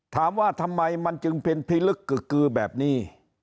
ถามว่าทำไมมันจึงเป็นพิลึกกึกกือแบบนี้